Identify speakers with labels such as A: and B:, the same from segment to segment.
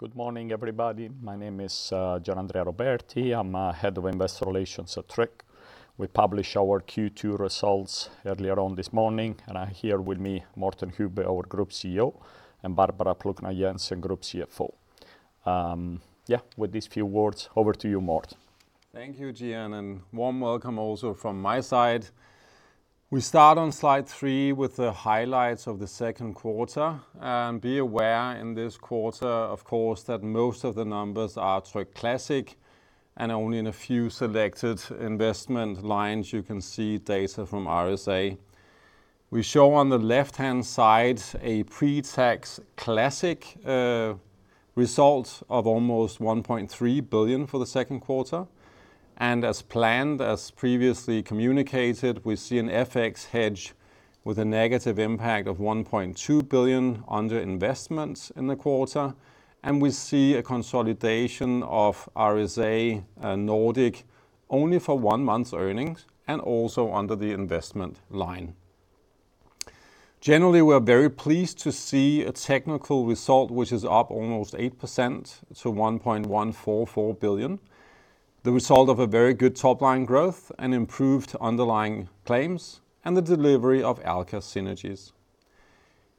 A: Good morning everybody. My name is Gianandrea Roberti. I'm Head of Investor Relations at Tryg. We published our Q2 results earlier on this morning, and here with me, Morten Hübbe, our Group CEO, and Barbara Plucnar Jensen, Group CFO. With these few words, over to you, Morten.
B: Thank you, Gian, and warm welcome also from my side. We start on slide three with the highlights of the second quarter. Be aware in this quarter, of course, that most of the numbers are Tryg Classic, and only in a few selected investment lines you can see data from RSA. We show on the left-hand side a pre-tax Classic result of almost 1.3 billion for the second quarter. As planned, as previously communicated, we see an FX hedge with a negative impact of 1.2 billion under investments in the quarter. We see a consolidation of RSA Scandinavia only for one month's earnings, and also under the investment line. Generally, we are very pleased to see a technical result which is up almost 8% to 1.144 billion. The result of a very good top line growth and improved underlying claims, and the delivery of Alka synergies.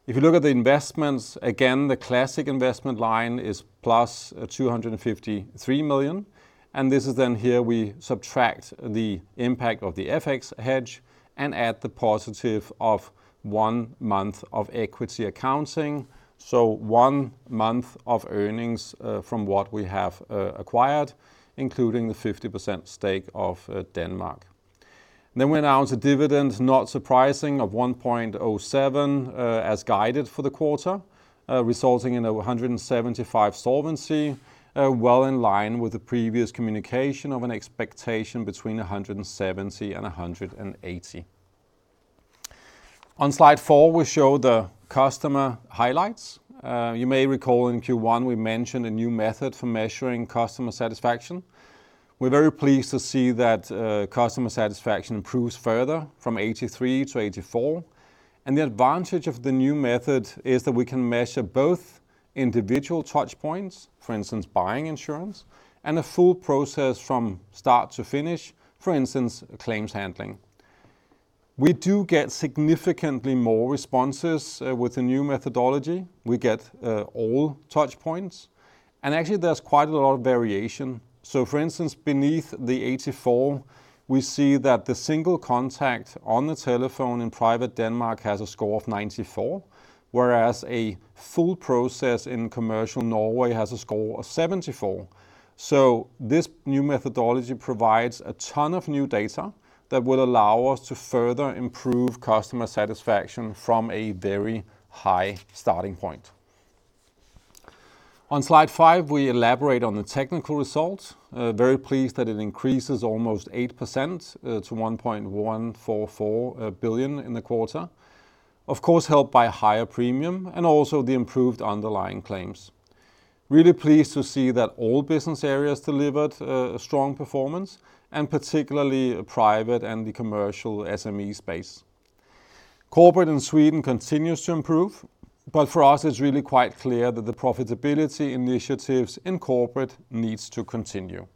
B: If you look at the investments, again, the classic investment line is plus 253 million, and this is then here we subtract the impact of the FX hedge and add the positive of one month of equity accounting. One month of earnings from what we have acquired, including the 50% stake of Codan Denmark. We announce a dividend, not surprising, of 1.07 as guided for the quarter, resulting in 175% solvency ratio, well in line with the previous communication of an expectation between 170% and 180%. On slide four, we show the customer highlights. You may recall in Q1 we mentioned a new method for measuring customer satisfaction. We're very pleased to see that customer satisfaction improves further from 83-84. The advantage of the new method is that we can measure both individual touch points, for instance, buying insurance, and a full process from start to finish, for instance, claims handling. We do get significantly more responses with the new methodology. We get all touch points. Actually, there's quite a lot of variation. For instance, beneath the 84 we see that the single contact on the telephone in private Denmark has a score of 94, whereas a full process in commercial Norway has a score of 74. This new methodology provides a ton of new data that will allow us to further improve customer satisfaction from a very high starting point. On slide five, we elaborate on the technical results. Very pleased that it increases almost 8% to 1.144 billion in the quarter, of course helped by higher premium and also the improved underlying claims. Really pleased to see that all business areas delivered a strong performance, and particularly private and the commercial SME space. Corporate in Sweden continues to improve, but for us it's really quite clear that the profitability initiatives in corporate needs to continue.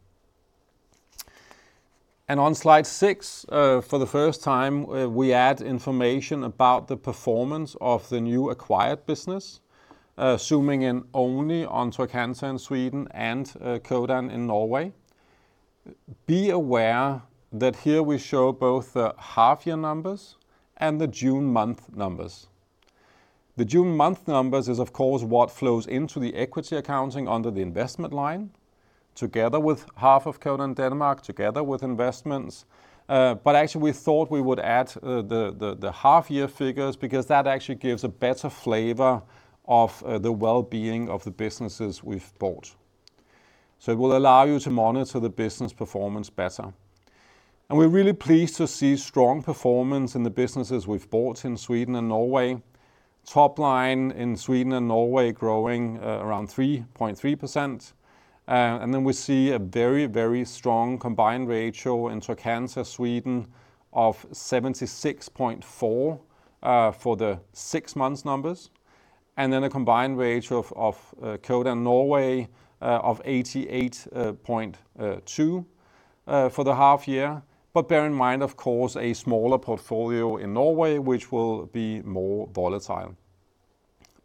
B: On slide six, for the first time we add information about the performance of the new acquired business, zooming in only on Trygg-Hansa in Sweden and Codan in Norway. Be aware that here we show both the half-year numbers and the June month numbers. The June month numbers is, of course, what flows into the equity accounting under the investment line together with half of Codan Denmark together with investments. Actually we thought we would add the half-year figures because that actually gives a better flavor of the well-being of the businesses we've bought. It will allow you to monitor the business performance better. We're really pleased to see strong performance in the businesses we've bought in Sweden and Norway. Top line in Sweden and Norway growing around 3.3%, and then we see a very strong combined ratio in Trygg-Hansa Sweden of 76.4 for the six months numbers, and then a combined ratio of Codan Norway of 88.2 for the half year. Bear in mind, of course, a smaller portfolio in Norway which will be more volatile.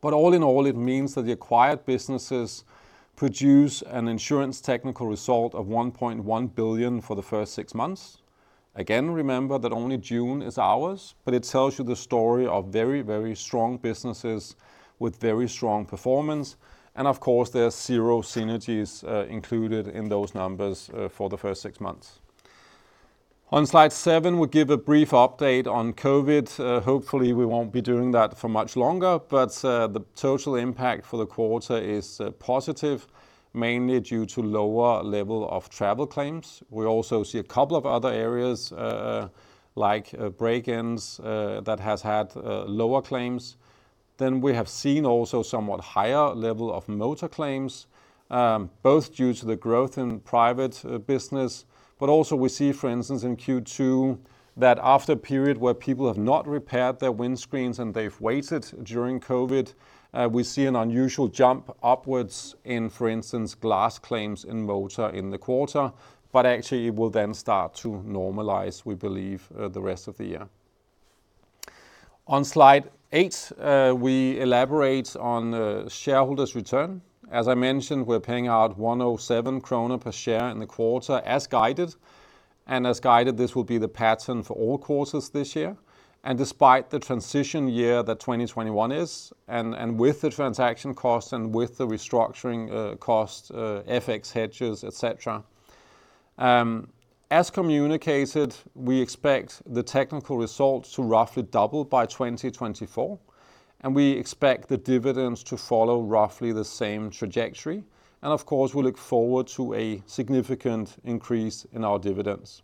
B: All in all, it means that the acquired businesses produce an insurance technical result of 1.1 billion for the first six months. Remember that only June is ours, but it tells you the story of very strong businesses with very strong performance. Of course there are zero synergies included in those numbers for the first six months. On slide seven, we give a brief update on COVID. Hopefully we won't be doing that for much longer. The total impact for the quarter is positive, mainly due to lower level of travel claims. We also see a couple of other areas, like break-ins that has had lower claims. Then we have seen also somewhat higher level of motor claims both due to the growth in private business, but also we see, for instance, in Q2 that after a period where people have not repaired their windscreens and they've waited during COVID, we see an unusual jump upwards in, for instance, glass claims in motor in the quarter, but actually will then start to normalize, we believe, the rest of the year. On slide eight, we elaborate on the shareholders' return. As I mentioned, we're paying out 107 kroner per share in the quarter as guided. As guided, this will be the pattern for all quarters this year. Despite the transition year that 2021 is, and with the transaction cost and with the restructuring cost, FX hedges, et cetera. As communicated, we expect the technical results to roughly double by 2024. We expect the dividends to follow roughly the same trajectory. Of course, we look forward to a significant increase in our dividends.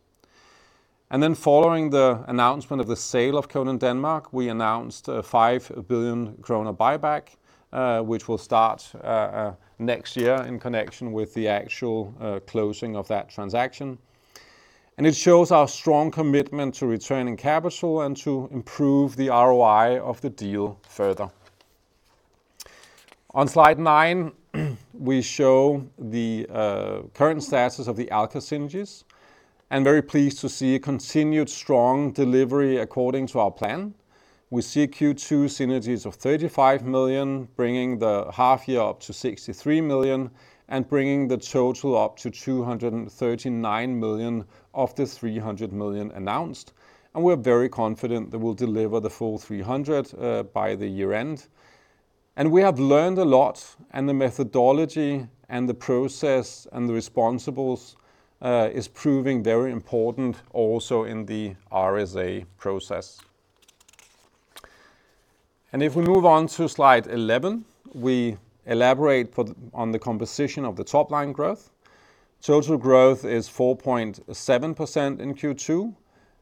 B: Following the announcement of the sale of Codan Denmark, we announced a 5 billion kroner buyback, which will start next year in connection with the actual closing of that transaction. It shows our strong commitment to returning capital and to improve the ROI of the deal further. On slide nine, we show the current status of the Alka synergies, and very pleased to see continued strong delivery according to our plan. We see Q2 synergies of 35 million, bringing the half year up to 63 million and bringing the total up to 239 million of the 300 million announced. We're very confident that we'll deliver the full 300 by the year-end. We have learned a lot, and the methodology and the process and the responsibles is proving very important also in the RSA process. If we move on to slide 11, we elaborate on the composition of the top line growth. Total growth is 4.7% in Q2,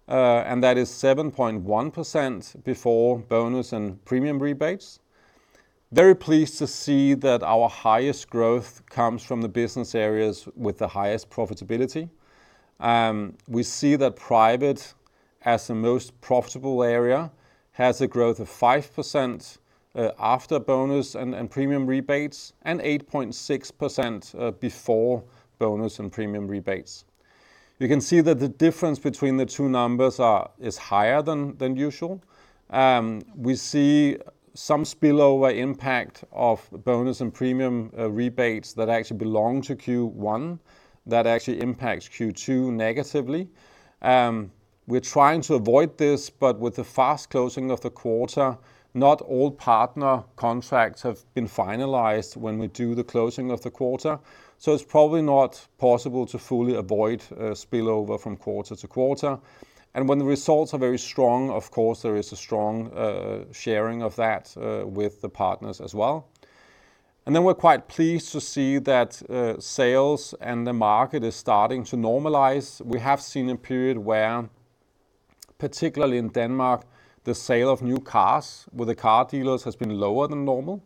B: and that is 7.1% before bonus and premium rebates. Very pleased to see that our highest growth comes from the business areas with the highest profitability. We see that private as the most profitable area, has a growth of 5% after bonus and premium rebates and 8.6% before bonus and premium rebates. You can see that the difference between the two numbers is higher than usual. We see some spillover impact of bonus and premium rebates that actually belong to Q1 that actually impacts Q2 negatively. We're trying to avoid this, but with the fast closing of the quarter, not all partner contracts have been finalized when we do the closing of the quarter, so it's probably not possible to fully avoid spillover from quarter to quarter. When the results are very strong, of course, there is a strong sharing of that with the partners as well. We're quite pleased to see that sales and the market is starting to normalize. We have seen a period where, particularly in Denmark, the sale of new cars with the car dealers has been lower than normal.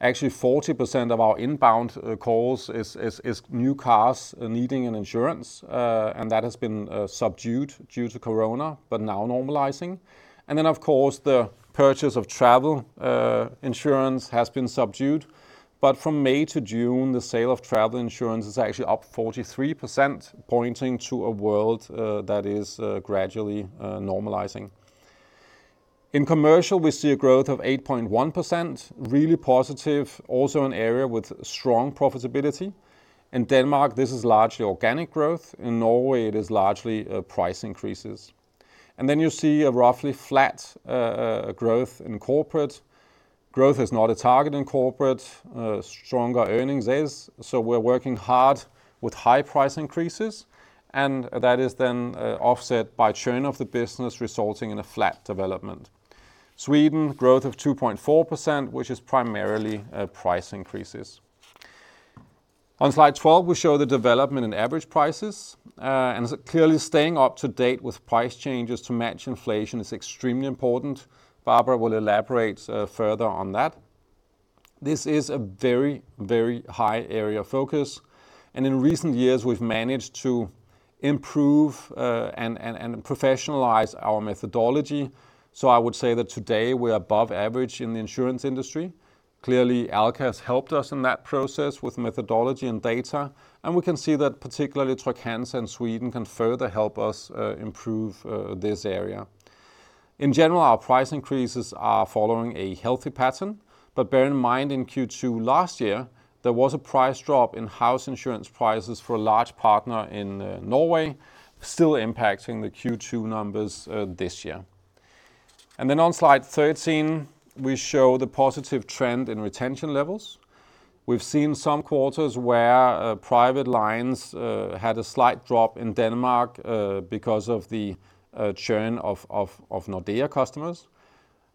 B: Actually, 40% of our inbound calls is new cars needing an insurance, and that has been subdued due to corona, but now normalizing. Of course the purchase of travel insurance has been subdued. From May to June, the sale of travel insurance is actually up 43%, pointing to a world that is gradually normalizing. In commercial, we see a growth of 8.1%, really positive, also an area with strong profitability. In Denmark, this is largely organic growth. In Norway, it is largely price increases. Then you see a roughly flat growth in corporate. Growth is not a target in corporate. Stronger earnings is. We're working hard with high price increases, and that is then offset by churn of the business resulting in a flat development. Sweden growth of 2.4%, which is primarily price increases. On slide 12, we show the development in average prices. Clearly staying up to date with price changes to match inflation is extremely important. Barbara will elaborate further on that. This is a very high area of focus. In recent years, we've managed to improve and professionalize our methodology. I would say that today we are above average in the insurance industry. Clearly, Alka has helped us in that process with methodology and data, and we can see that particularly Tryg Insurance Sweden can further help us improve this area. In general, our price increases are following a healthy pattern. Bear in mind, in Q2 last year, there was a price drop in house insurance prices for a large partner in Norway, still impacting the Q2 numbers this year. On slide 13, we show the positive trend in retention levels. We've seen some quarters where private lines had a slight drop in Denmark because of the churn of Nordea customers.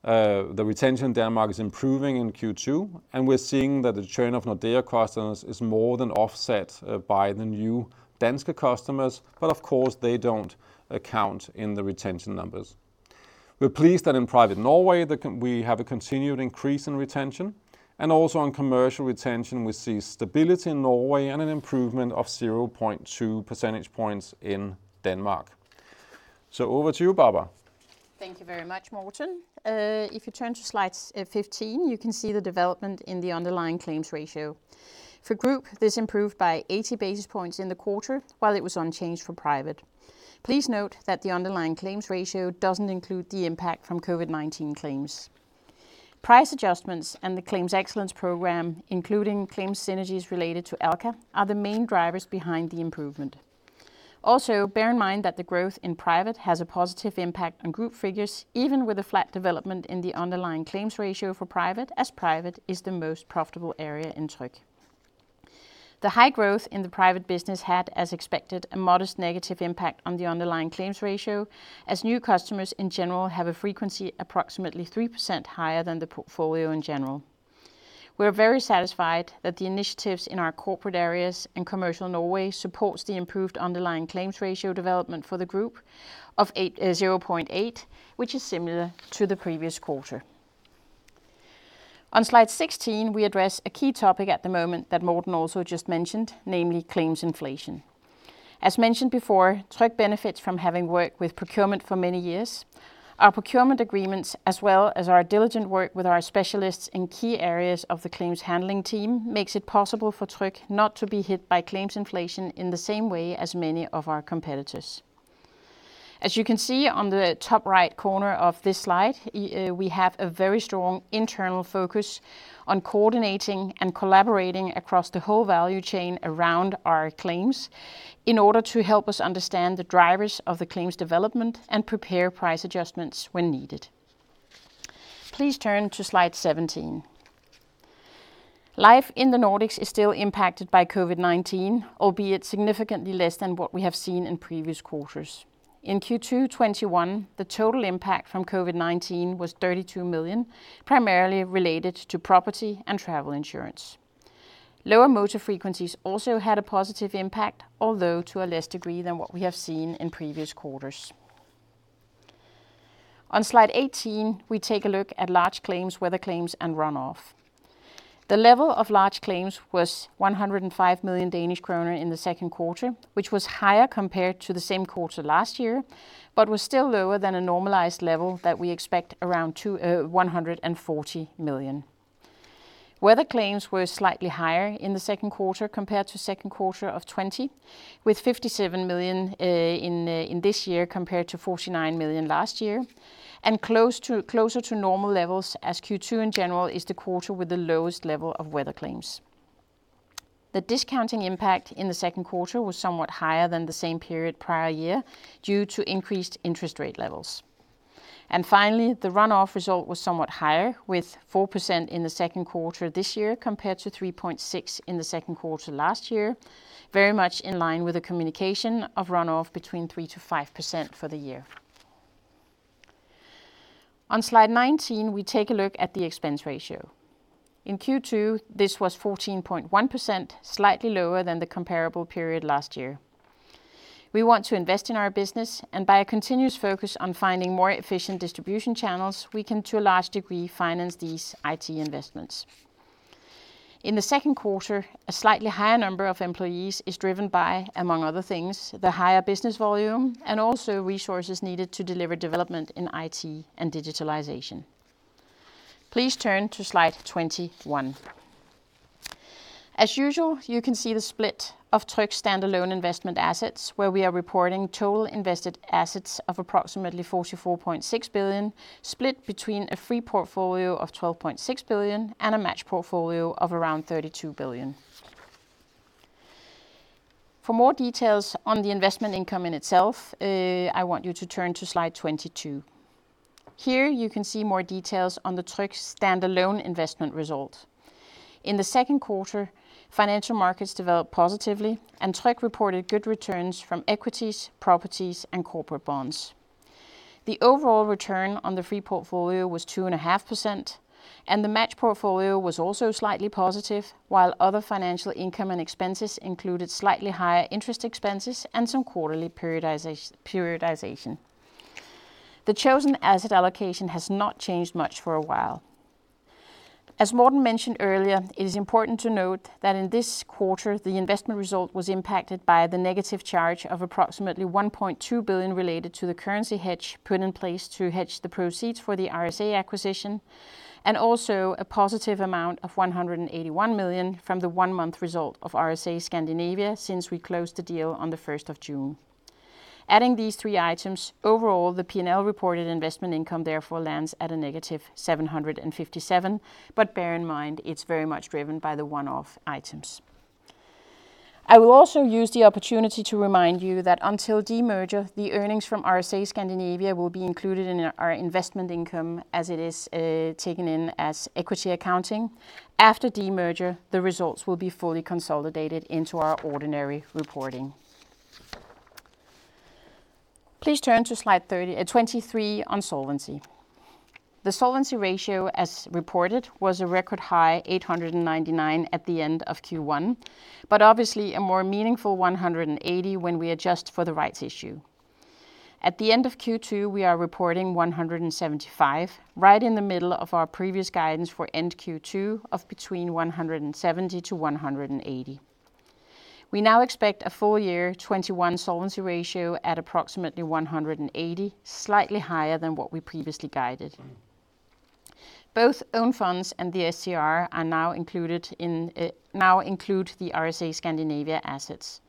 B: The retention in Denmark is improving in Q2, we're seeing that the churn of Nordea customers is more than offset by the new Danske customers. Of course, they don't account in the retention numbers. We're pleased that in private Norway, we have a continued increase in retention, also on commercial retention we see stability in Norway and an improvement of 0.2 percentage points in Denmark. Over to you, Barbara.
C: Thank you very much, Morten. If you turn to slide 15, you can see the development in the underlying claims ratio. For group, this improved by 80 basis points in the quarter while it was unchanged for private. Please note that the underlying claims ratio doesn't include the impact from COVID-19 claims. Price adjustments and the claims excellence program, including claims synergies related to Alka, are the main drivers behind the improvement. Also, bear in mind that the growth in private has a positive impact on group figures, even with a flat development in the underlying claims ratio for private, as private is the most profitable area in Tryg. The high growth in the private business had, as expected, a modest negative impact on the underlying claims ratio as new customers, in general, have a frequency approximately 3% higher than the portfolio in general. We are very satisfied that the initiatives in our corporate areas in commercial Norway supports the improved underlying claims ratio development for the group of 0.8, which is similar to the previous quarter. On slide 16, we address a key topic at the moment that Morten also just mentioned, namely claims inflation. As mentioned before, Tryg benefits from having worked with procurement for many years. Our procurement agreements as well as our diligent work with our specialists in key areas of the claims handling team makes it possible for Tryg not to be hit by claims inflation in the same way as many of our competitors. As you can see on the top right corner of this slide, we have a very strong internal focus on coordinating and collaborating across the whole value chain around our claims in order to help us understand the drivers of the claims development and prepare price adjustments when needed. Please turn to slide 17. Life in the Nordics is still impacted by COVID-19, albeit significantly less than what we have seen in previous quarters. In Q2 2021, the total impact from COVID-19 was 32 million, primarily related to property and travel insurance. Lower motor frequencies also had a positive impact, although to a less degree than what we have seen in previous quarters. On slide 18, we take a look at large claims, weather claims, and run-off. The level of large claims was 105 million Danish kroner in the second quarter, which was higher compared to the same quarter last year, but was still lower than a normalized level that we expect around 140 million. Weather claims were slightly higher in the second quarter compared to second quarter of 2020, with 57 million in this year compared to 49 million last year, and closer to normal levels as Q2 in general is the quarter with the lowest level of weather claims. The discounting impact in the second quarter was somewhat higher than the same period prior year due to increased interest rate levels. Finally, the run-off result was somewhat higher, with 4% in the second quarter this year compared to 3.6% in the second quarter last year, very much in line with the communication of run-off between 3%-5% for the year. On slide 19, we take a look at the expense ratio. In Q2, this was 14.1%, slightly lower than the comparable period last year. We want to invest in our business, by a continuous focus on finding more efficient distribution channels, we can to a large degree finance these IT investments. In the second quarter, a slightly higher number of employees is driven by, among other things, the higher business volume and also resources needed to deliver development in IT and digitalization. Please turn to slide 21. As usual, you can see the split of Tryg stand-alone investment assets where we are reporting total invested assets of approximately 44.6 billion, split between a free portfolio of 12.6 billion and a matched portfolio of around 32 billion. For more details on the investment income in itself, I want you to turn to slide 22. Here you can see more details on the Tryg stand-alone investment result. In the second quarter, financial markets developed positively and Tryg reported good returns from equities, properties, and corporate bonds. The overall return on the free portfolio was 2.5%, and the matched portfolio was also slightly positive while other financial income and expenses included slightly higher interest expenses and some quarterly periodization. The chosen asset allocation has not changed much for a while. As Morten mentioned earlier, it is important to note that in this quarter the investment result was impacted by the negative charge of approximately 1.2 billion related to the currency hedge put in place to hedge the proceeds for the RSA acquisition, and also a positive amount of 181 million from the one-month result of RSA Scandinavia since we closed the deal on the 1st of June. Adding these three items, overall the P&L reported investment income therefore lands at -757, bear in mind it's very much driven by the one-off items. I will also use the opportunity to remind you that until demerger, the earnings from RSA Scandinavia will be included in our investment income as it is taken in as equity accounting. After demerger, the results will be fully consolidated into our ordinary reporting. Please turn to slide 23 on solvency. The solvency ratio as reported was a record high 899% at the end of Q1, obviously a more meaningful 180% when we adjust for the rights issue. At the end of Q2, we are reporting 175%, right in the middle of our previous guidance for end Q2 of between 170%-180%. We now expect a full year 2021 solvency ratio at approximately 180%, slightly higher than what we previously guided. Both own funds and the SCR now include the RSA Scandinavia assets.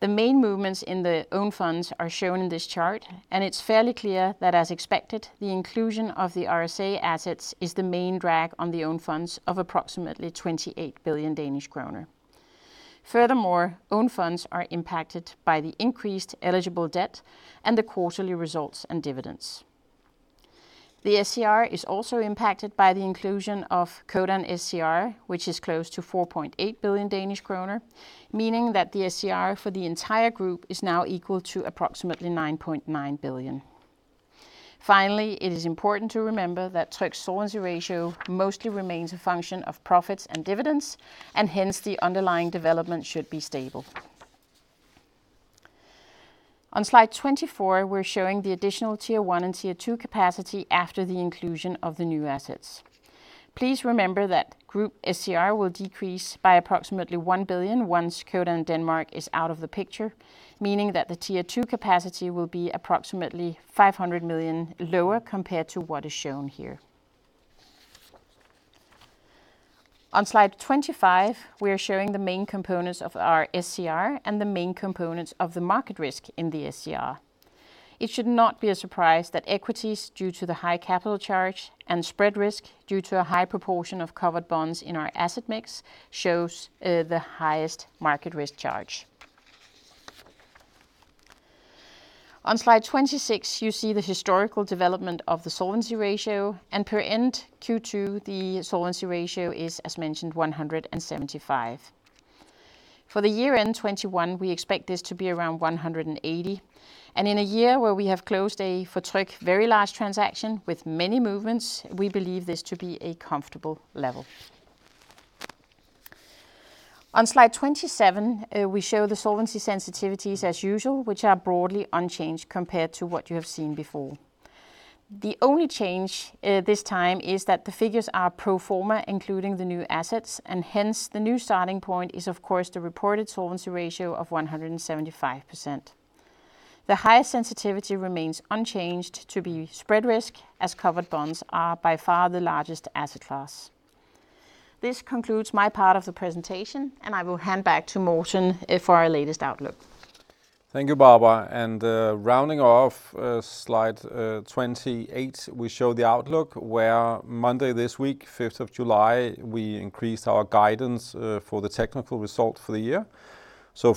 C: The main movements in the own funds are shown in this chart, and it is fairly clear that as expected, the inclusion of the RSA assets is the main drag on the own funds of approximately 28 billion Danish kroner. Furthermore, own funds are impacted by the increased eligible debt and the quarterly results and dividends. The SCR is also impacted by the inclusion of Codan SCR, which is close to 4.8 billion Danish kroner, meaning that the SCR for the entire group is now equal to approximately 9.9 billion. Finally, it is important to remember that Tryg solvency ratio mostly remains a function of profits and dividends, and hence the underlying development should be stable. On slide 24, we are showing the additional Tier 1 and Tier 2 capacity after the inclusion of the new assets. Please remember that group SCR will decrease by approximately 1 billion once Codan Denmark is out of the picture, meaning that the Tier 2 capacity will be approximately 500 million lower compared to what is shown here. On slide 25, we are showing the main components of our SCR and the main components of the market risk in the SCR. It should not be a surprise that equities, due to the high capital charge, and spread risk due to a high proportion of covered bonds in our asset mix, shows the highest market risk charge. On slide 26, you see the historical development of the solvency ratio, per end Q2 the solvency ratio is as mentioned, 175%. For the year end 2021, we expect this to be around 180%, in a year where we have closed a, for Tryg, very large transaction with many movements, we believe this to be a comfortable level. On slide 27, we show the solvency sensitivities as usual, which are broadly unchanged compared to what you have seen before. The only change this time is that the figures are pro forma including the new assets, hence the new starting point is of course the reported solvency ratio of 175%. The highest sensitivity remains unchanged to be spread risk, as covered bonds are by far the largest asset class. This concludes my part of the presentation, I will hand back to Morten for our latest outlook.
B: Thank you, Barbara. Rounding off slide 28, we show the outlook where Monday this week, 5th of July, we increased our guidance for the technical result for the year.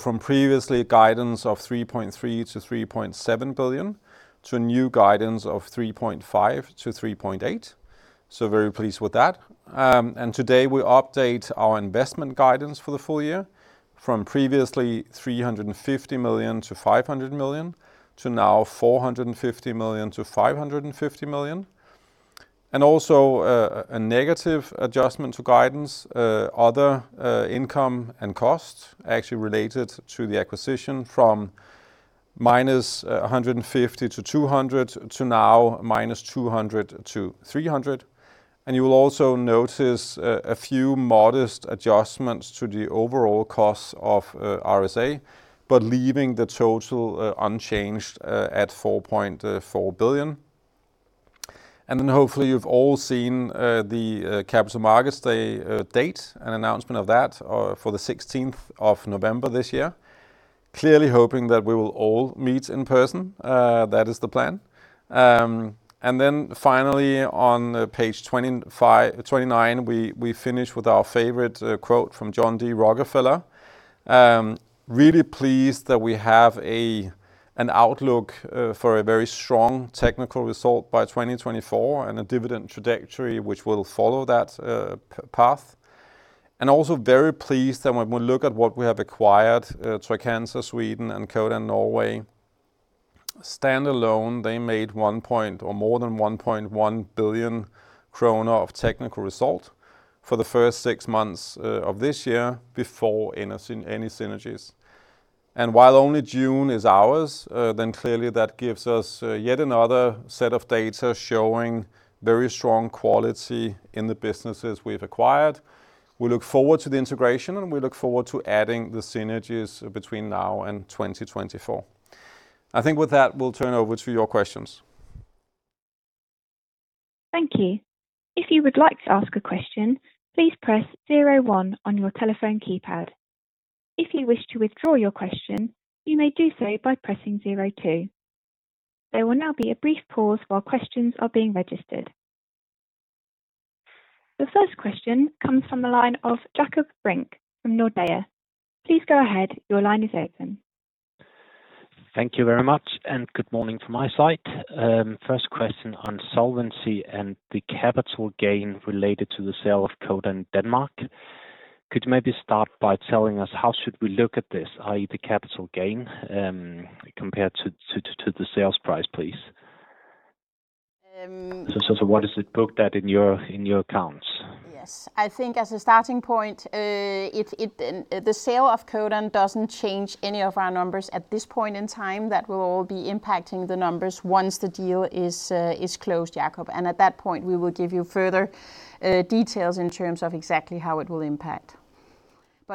B: From previous guidance of 3.3 billion-3.7 billion, to new guidance of 3.5 billion-3.8 billion. Very pleased with that. Today we update our investment guidance for the full year from previously 350 million-500 million, to now 450 million-550 million. Also a negative adjustment to guidance, other income and cost actually related to the acquisition from minus 150 million-200 million to now minus 200 million-300 million. You'll also notice a few modest adjustments to the overall cost of RSA, but leaving the total unchanged at 4.4 billion. Hopefully you've all seen the capital markets day date and announcement of that for the 16th of November this year. Clearly hoping that we will all meet in person. That is the plan. Finally on page 29, we finish with our favorite quote from John D. Rockefeller. Really pleased that we have an outlook for a very strong technical result by 2024 and a dividend trajectory which will follow that path. Very pleased that when we look at what we have acquired, Tryg Insurance Sweden and Codan Norway. Standalone, they made more than 1.1 billion kroner of technical result for the first six months of this year before any synergies. While only June is ours, clearly that gives us yet another set of data showing very strong quality in the businesses we've acquired. We look forward to the integration. We look forward to adding the synergies between now and 2024. I think with that, we'll turn over to your questions.
D: Thank you. If you would like to ask a question, please press zero one on your telephone keypad. If you wish to withdraw your question, you may do so by pressing zero two. There will now be a brief pause while questions are being registered. The first question comes from the line of Jakob Brink from Nordea. Please go ahead. Your line is open.
E: Thank you very much, and good morning from my side. First question on solvency and the capital gain related to the sale of Codan Denmark. Could you maybe start by telling us how should we look at this, i.e., the capital gain compared to the sales price, please? What is it booked at in your accounts?
C: Yes. I think as a starting point, the sale of Codan doesn't change any of our numbers at this point in time that will be impacting the numbers once the deal is closed, Jakob. At that point, we will give you further details in terms of exactly how it will impact.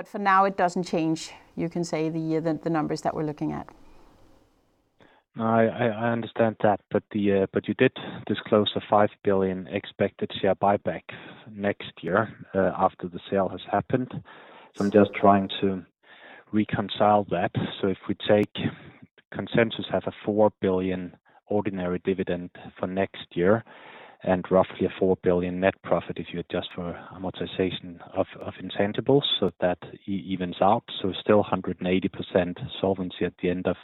C: For now, it doesn't change, you can say, the numbers that we're looking at.
E: I understand that, you did disclose a 5 billion expected share buyback next year after the sale has happened. I'm just trying to reconcile that. If we take consensus as a 4 billion ordinary dividend for next year and roughly a 4 billion net profit if you adjust for amortization of intangibles so that evens up. Still 180% solvency at the end of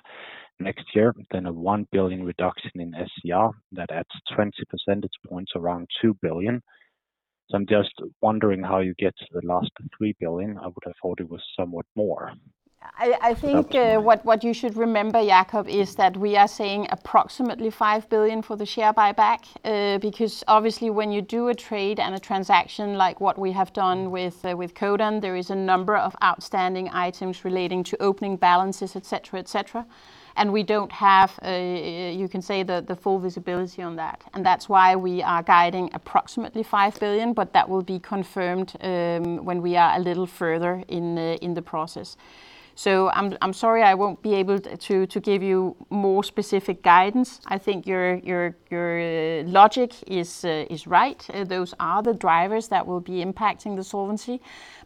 E: next year, but then a 1 billion reduction in SCR. That adds 20 percentage points around 2 billion. I'm just wondering how you get to the last 3 billion. I would have thought it was somewhat more.
C: I think what you should remember, Jakob Brink, is that we are saying approximately 5 billion for the share buyback because obviously when you do a trade and a transaction like what we have done with Codan, there is a number of outstanding items relating to opening balances, et cetera. We don't have, you can say, the full visibility on that. That's why we are guiding approximately 5 billion. That will be confirmed when we are a little further in the process. I'm sorry I won't be able to give you more specific guidance. I think your logic is right. Those are the drivers that will be impacting the solvency.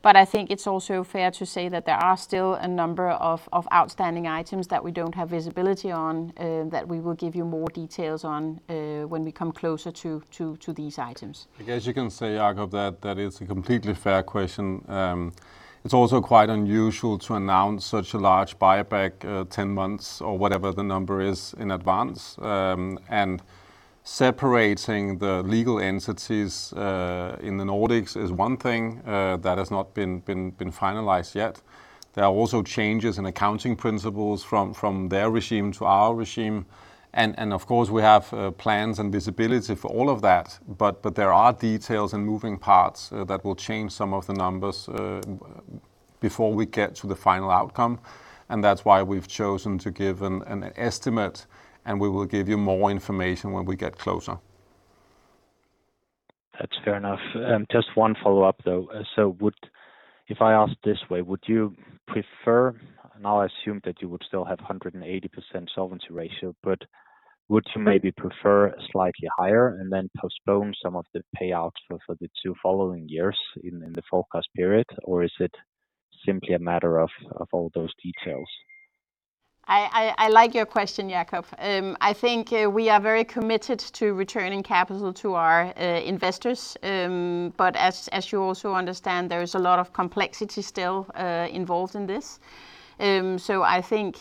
C: I think it's also fair to say that there are still a number of outstanding items that we don't have visibility on that we will give you more details on when we come closer to these items.
B: I guess you can say, Jakob, that is a completely fair question. It's also quite unusual to announce such a large buyback 10 months or whatever the number is in advance. Separating the legal entities in the Nordics is one thing that has not been finalized yet. There are also changes in accounting principles from their regime to our regime. Of course, we have plans and visibility for all of that, but there are details and moving parts that will change some of the numbers before we get to the final outcome. That's why we've chosen to give an estimate, and we will give you more information when we get closer.
E: That's fair enough. Just one follow-up, though. If I ask this way, would you prefer, and I'll assume that you would still have 180% solvency ratio, but would you maybe prefer slightly higher and then postpone some of the payouts for the 2 following years in the forecast period? Or is it simply a matter of all those details?
C: I like your question, Jakob. I think we are very committed to returning capital to our investors. As you also understand, there's a lot of complexity still involved in this. I think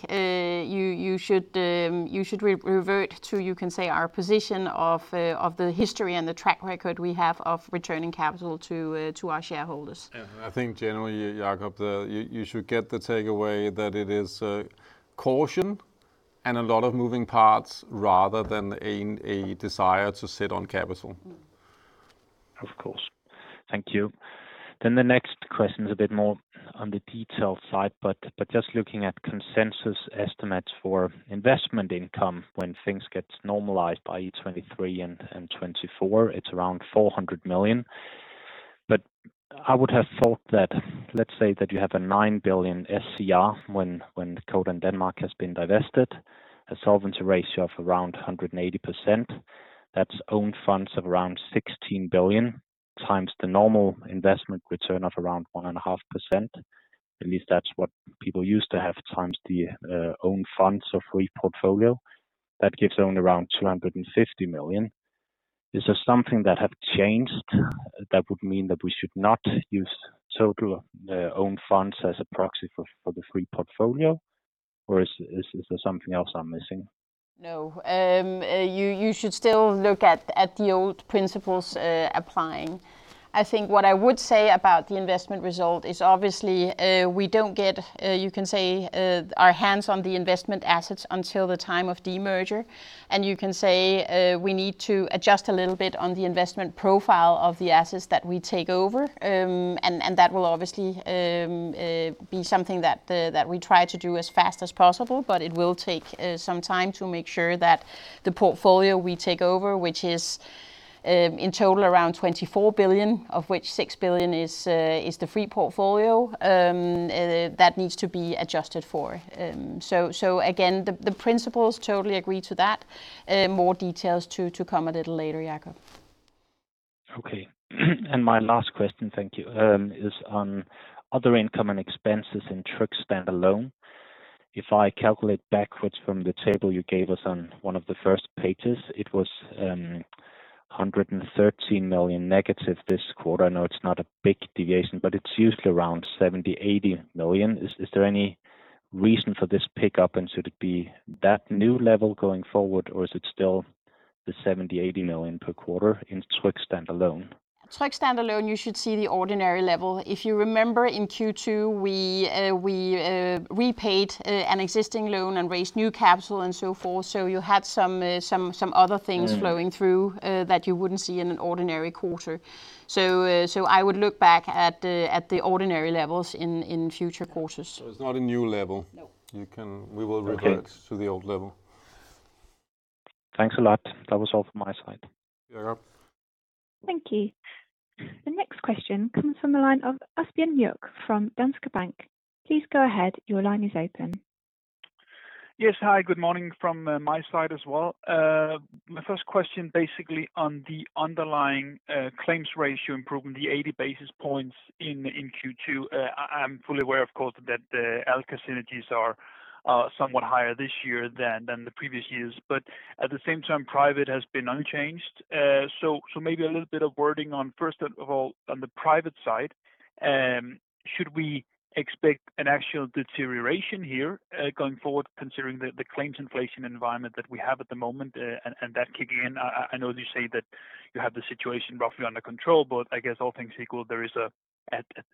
C: you should revert to our position of the history and the track record we have of returning capital to our shareholders.
B: I think generally, Jakob you should get the takeaway that it is caution and a lot of moving parts rather than a desire to sit on capital.
E: Of course. Thank you. The next question is a bit more on the detail side, but just looking at consensus estimates for investment income when things get normalized i.e., 2023 and 2024, it's around 400 million. I would have thought that let's say that you have a 9 billion SCR when Codan Denmark has been divested, a solvency ratio of around 180%. That's own funds of around 16 billion, times the normal investment return of around 1.5%. At least that's what people used to have times the own funds of free portfolio. That gives only around 250 million. Is there something that have changed that would mean that we should not use total own funds as a proxy for the free portfolio? Is there something else I'm missing?
C: No. You should still look at the old principles applying. I think what I would say about the investment result is obviously we don't get our hands on the investment assets until the time of demerger. You can say we need to adjust a little bit on the investment profile of the assets that we take over. That will obviously be something that we try to do as fast as possible, but it will take some time to make sure that the portfolio we take over, which is in total around 24 billion, of which 6 billion is the free portfolio that needs to be adjusted for. Again, the principles totally agree to that. More details to come a little later, Jakob.
E: My last question, thank you, is on other income and expenses in Tryg stand alone. If I calculate backwards from the table you gave us on one of the first pages, it was 113 million negative this quarter. I know it's not a big deviation, but it's usually around 70 million-80 million. Is there any reason for this pickup, and should it be that new level going forward, or is it still the 70 million, 80 million per quarter in Tryg standalone?
C: Tryg standalone, you should see the ordinary level. If you remember, in Q2, we repaid an existing loan and raised new capital and so forth. You had some other things flowing through that you wouldn't see in an ordinary quarter. I would look back at the ordinary levels in future quarters.
E: It's not a new level.
C: No. We will revert back to the old level.
E: Okay. Thanks a lot. That was all from my side.
C: Yeah.
D: Thank you. The next question comes from the line of Asbjørn Mørk from Danske Bank. Please go ahead. Your line is open.
F: Yes. Hi, good morning from my side as well. My first question basically on the underlying claims ratio improvement, the 80 basis points in Q2. I'm fully aware, of course, that the Alka synergies are somewhat higher this year than the previous years. At the same time, private has been unchanged. Maybe a little bit of wording on, first of all, on the private side. Should we expect an actual deterioration here going forward considering that the claims inflation environment that we have at the moment and that kicking in? I know you say that you have the situation roughly under control, I guess all things equal, there is a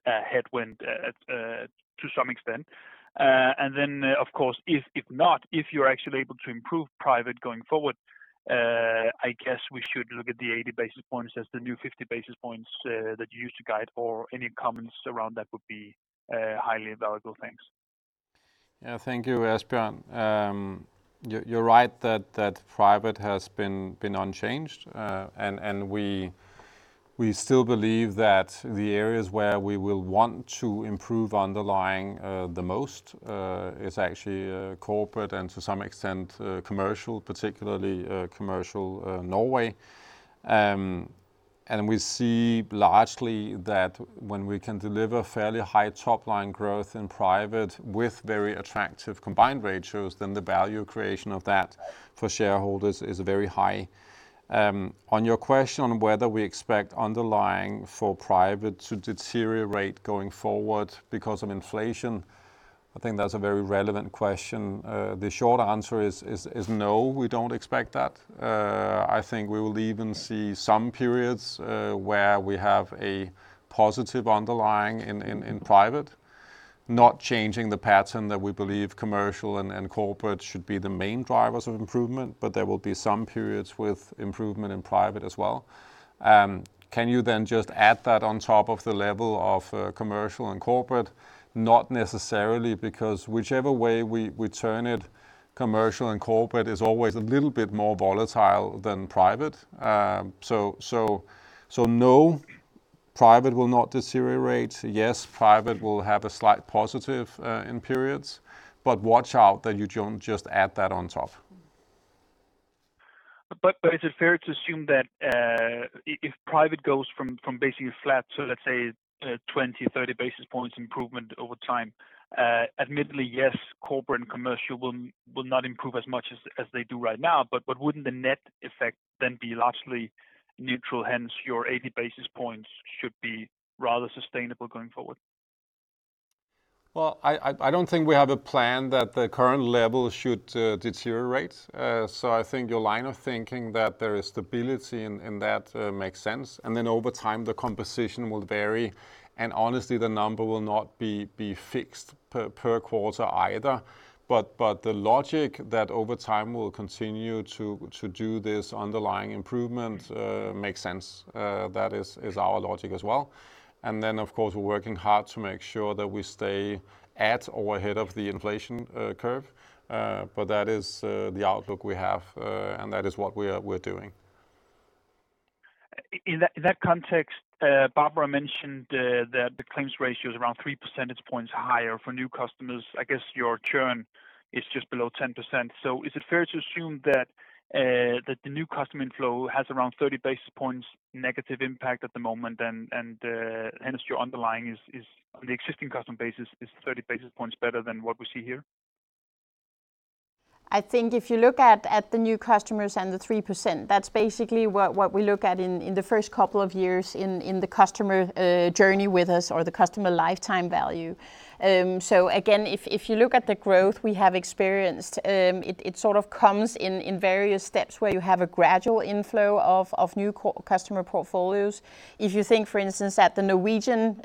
F: headwind to some extent. Then, of course, if not, if you're actually able to improve private going forward, I guess we should look at the 80 basis points as the new 50 basis points that you used to guide or any comments around that would be highly valuable. Thanks.
B: Yeah. Thank you, Asbjørn. You're right that private has been unchanged. We still believe that the areas where we will want to improve underlying the most is actually corporate and to some extent commercial, particularly commercial Norway. We see largely that when we can deliver fairly high top-line growth in private with very attractive combined ratios, then the value creation of that for shareholders is very high. On your question on whether we expect underlying for private to deteriorate going forward because of inflation, I think that's a very relevant question. The short answer is no, we don't expect that. I think we will even see some periods where we have a positive underlying in private, not changing the pattern that we believe commercial and corporate should be the main drivers of improvement, but there will be some periods with improvement in private as well. Can you just add that on top of the level of commercial and corporate? Not necessarily, because whichever way we turn it, commercial and corporate is always a little bit more volatile than private. No, private will not deteriorate. Yes, private will have a slight positive in periods. Watch out that you don't just add that on top.
F: It's fair to assume that if private goes from basically flat to, let's say, 20, 30 basis points improvement over time. Admittedly, yes, corporate and commercial will not improve as much as they do right now. Wouldn't the net effect then be largely neutral, hence your 80 basis points should be rather sustainable going forward?
B: Well, I don't think we have a plan that the current level should deteriorate. I think your line of thinking that there is stability in that makes sense, over time the composition will vary, honestly, the number will not be fixed per quarter either. The logic that over time we'll continue to do this underlying improvement makes sense. That is our logic as well. Of course, we're working hard to make sure that we stay at or ahead of the inflation curve. That is the outlook we have, and that is what we're doing.
F: In that context, Barbara mentioned that the claims ratio is around 3 percentage points higher for new customers. I guess your churn is just below 10%. Is it fair to assume that the new customer inflow has around 30 basis points negative impact at the moment and hence your underlying is on the existing customer basis is 30 basis points better than what we see here?
C: I think if you look at the new customers and the 3%, that's basically what we look at in the first couple of years in the customer journey with us or the customer lifetime value. Again, if you look at the growth we have experienced, it sort of comes in various steps where you have a gradual inflow of new customer portfolios. If you think, for instance, that the Norwegian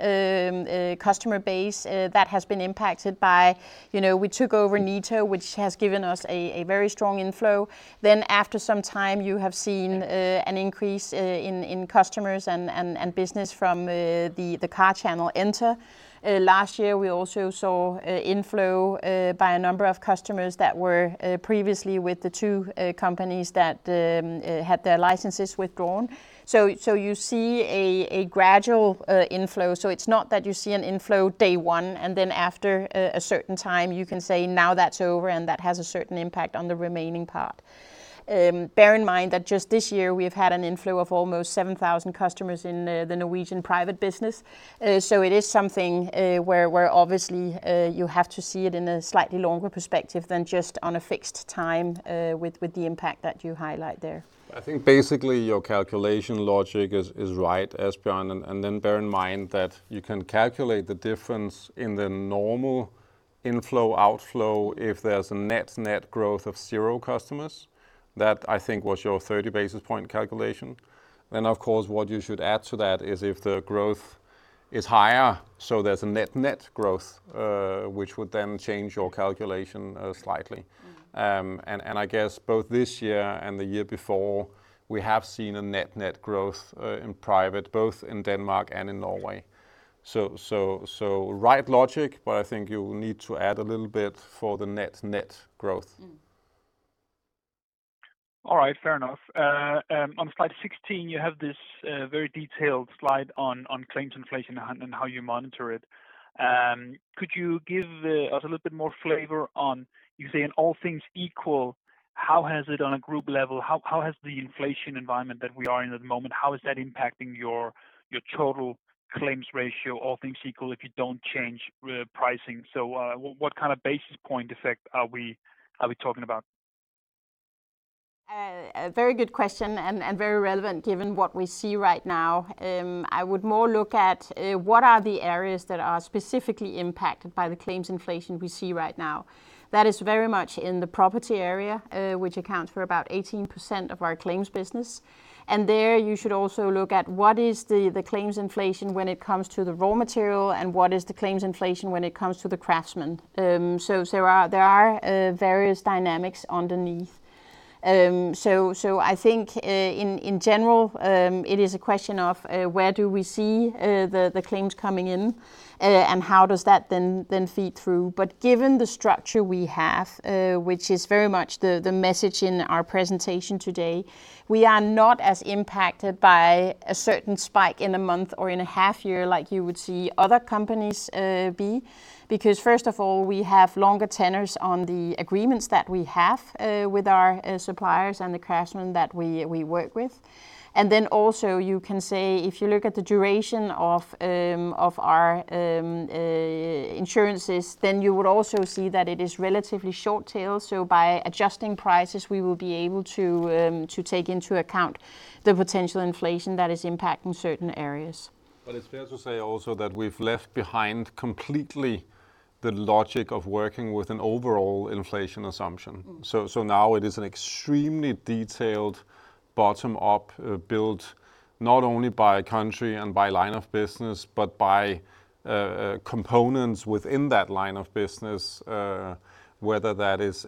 C: customer base that has been impacted by, we took over NITO, which has given us a very strong inflow. After some time, you have seen an increase in customers and business from the car channel Enter. Last year, we also saw inflow by a number of customers that were previously with the two companies that had their licenses withdrawn. You see a gradual inflow. It's not that you see an inflow day one, and then after a certain time you can say now that's over and that has a certain impact on the remaining part. Bear in mind that just this year we've had an inflow of almost 7,000 customers in the Norwegian private business. It is something where obviously you have to see it in a slightly longer perspective than just on a fixed time with the impact that you highlight there. I think basically your calculation logic is right, Asbjørn. Bear in mind that you can calculate the difference in the normal
B: Inflow outflow, if there's a net growth of zero customers, that I think was your 30 basis point calculation. Of course, what you should add to that is if the growth is higher, so there's a net growth, which would then change your calculation slightly. I guess both this year and the year before, we have seen a net growth in private, both in Denmark and in Norway. Right logic, but I think you will need to add a little bit for the net growth.
F: All right. Fair enough. On slide 16, you have this very detailed slide on claims inflation and how you monitor it. Could you give us a little bit more flavor on, you say on all things equal, how has it on a group level, how has the inflation environment that we are in at the moment, how is that impacting your total claims ratio, all things equal, if you don't change pricing? What kind of basis point effect are we talking about?
C: A very good question, very relevant given what we see right now. I would more look at what are the areas that are specifically impacted by the claims inflation we see right now. That is very much in the property area, which accounts for about 18% of our claims business. There you should also look at what is the claims inflation when it comes to the raw material, and what is the claims inflation when it comes to the craftsmen. There are various dynamics underneath. I think in general, it is a question of where do we see the claims coming in, and how does that then feed through? Given the structure we have, which is very much the message in our presentation today, we are not as impacted by a certain spike in a month or in a half year like you would see other companies be. First of all, we have longer tenors on the agreements that we have with our suppliers and the craftsmen that we work with. Also you can say, if you look at the duration of our insurances, then you would also see that it is relatively short tail. By adjusting prices, we will be able to take into account the potential inflation that is impacting certain areas.
B: It's fair to say also that we've left behind completely the logic of working with an overall inflation assumption. Now it is an extremely detailed bottom up build, not only by country and by line of business, but by components within that line of business, whether that is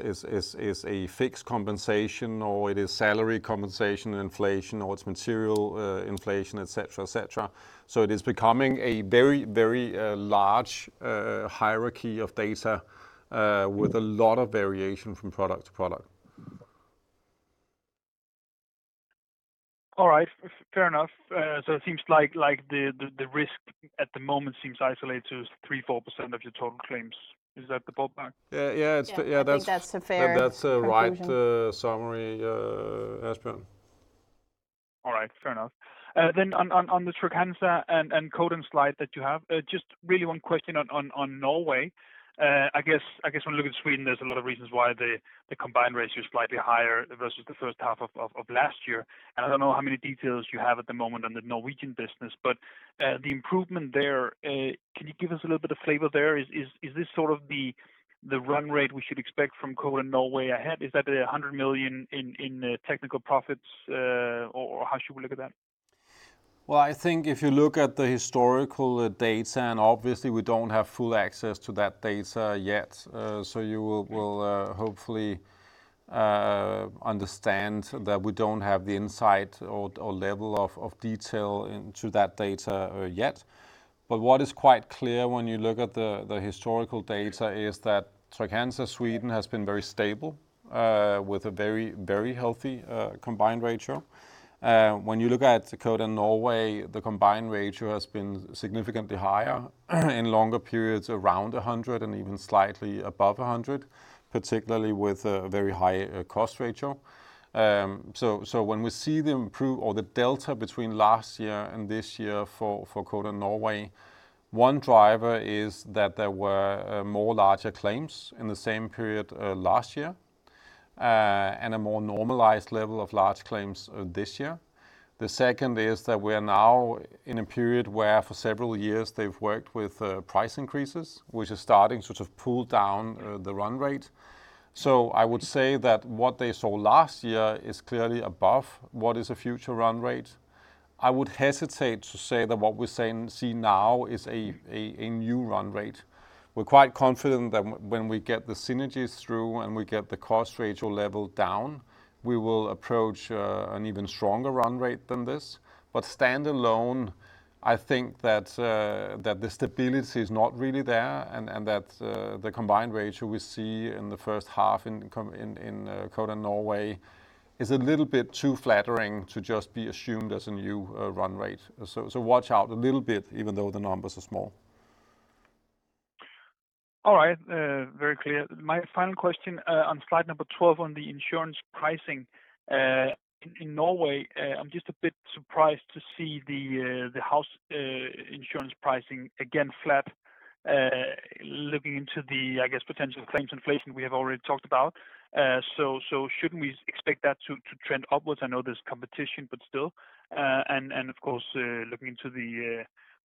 B: a fixed compensation or it is salary compensation inflation, or it's material inflation, et cetera. It is becoming a very large hierarchy of data with a lot of variation from product to product.
F: All right. Fair enough. It seems like the risk at the moment seems isolated to 3%-4% of your total claims. Is that the ballpark?
B: Yeah.
C: I think that's a fair-
B: That's a right summary, Asbjørn.
F: Fair enough. On the Trygg-Hansa and Codan slide that you have, just really one question on Norway. I guess when looking at Sweden, there's a lot of reasons why the combined ratios are slightly higher versus the first half of last year. I don't know how many details you have at the moment on the Norwegian business, the improvement there, can you give us a little bit of flavor there? Is this sort of the run rate we should expect from Codan Norway ahead? Is that 100 million in technical profits, or how should we look at that?
B: Well, I think if you look at the historical data, obviously we don't have full access to that data yet. You will hopefully understand that we don't have the insight or level of detail into that data yet. What is quite clear when you look at the historical data is that Trygg-Hansa Sweden has been very stable with a very healthy combined ratio. When you look at Codan Norway, the combined ratio has been significantly higher in longer periods, around 100% and even slightly above 100%, particularly with a very high cost ratio. When we see the delta between last year and this year for Codan Norway, one driver is that there were more larger claims in the same period last year, and a more normalized level of large claims this year. The second is that we are now in a period where for several years they've worked with price increases, which are starting to sort of pull down the run rate. I would say that what they saw last year is clearly above what is a future run rate. I would hesitate to say that what we're seeing now is a new run rate. We're quite confident that when we get the synergies through and we get the cost ratio level down, we will approach an even stronger run rate than this. Standalone, I think that the stability is not really there, and that the combined ratio we see in the first half in Codan Norway is a little bit too flattering to just be assumed as a new run rate. Watch out a little bit, even though the numbers are small.
F: All right. Very clear. My final question on slide number 12 on the insurance pricing in Norway, I'm just a bit surprised to see the house insurance pricing again flat, looking into the, I guess, potential claims inflation we have already talked about. Shouldn't we expect that to trend upwards? I know there's competition, but still.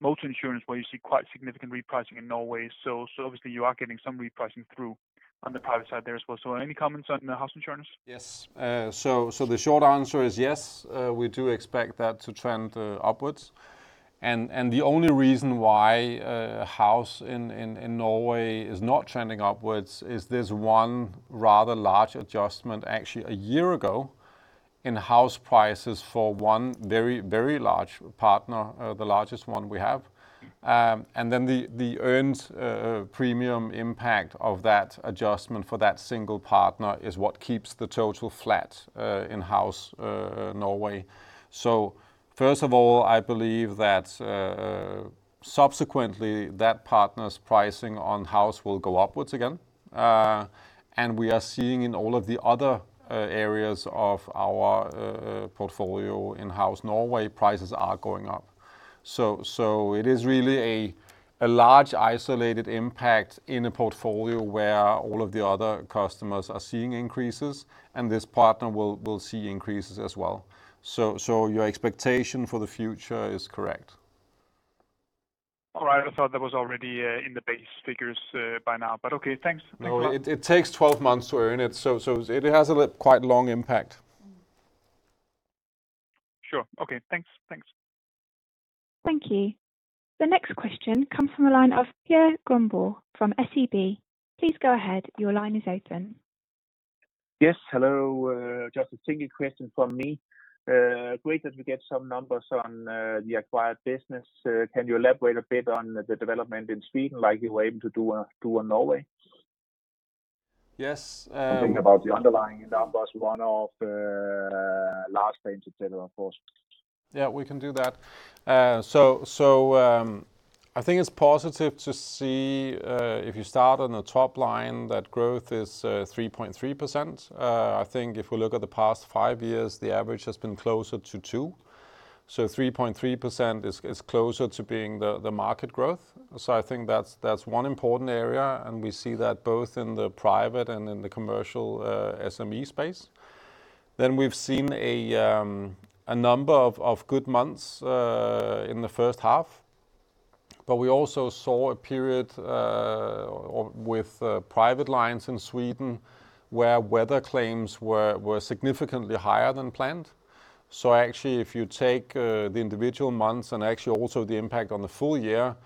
F: motor insurance where you see quite significant repricing in Norway. Obviously you are getting some repricing through on the private side there as well. Any comments on the house insurance?
B: Yes. The short answer is yes, we do expect that to trend upwards. The only reason why house in Norway is not trending upwards is this one rather large adjustment actually a year ago in house prices for one very large partner, the largest one we have. Then the earned premium impact of that adjustment for that single partner is what keeps the total flat in-house Norway. First of all, I believe that subsequently that partner's pricing on house will go upwards again. We are seeing in all of the other areas of our portfolio in-house Norway prices are going up. It is really a large isolated impact in a portfolio where all of the other customers are seeing increases, and this partner will see increases as well. Your expectation for the future is correct.
F: All right. I thought that was already in the base figures by now, but okay. Thanks.
B: No, it takes 12 months to earn it. It has a quite long impact.
F: Sure. Okay. Thanks.
D: Thank you. The next question comes from the line of Per Grønborg from SEB. Please go ahead. Your line is open.
G: Yes, hello. Just a single question from me. Great that we get some numbers on the acquired business. Can you elaborate a bit on the development in Sweden like you were able to do on Norway?
B: Yes.
G: Thinking about the underlying numbers, one of large claims et cetera for us.
B: We can do that. I think it's positive to see if you start on the top line that growth is 3.3%. I think if we look at the past five years, the average has been closer to 2%. 3.3% is closer to being the market growth. I think that's one important area, and we see that both in the private and in the commercial SME space. We've seen a number of good months in the first half. We also saw a period with private lines in Sweden where weather claims were significantly higher than planned. Actually if you take the individual months and actually also the impact on the full year,